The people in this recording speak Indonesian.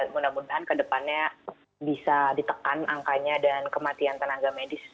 mudah mudahan ke depannya bisa ditekan angkanya dan kematian tenaga medis